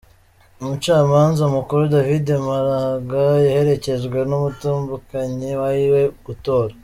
Umucamanza mukuru David Maraga yaherekejwe n’umutambukanyi wiwe gutora.